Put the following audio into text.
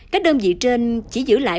các đơn vị trên chỉ giữ lại